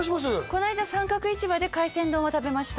この間三角市場で海鮮丼は食べました